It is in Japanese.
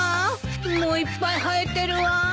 もういっぱい生えてるわ。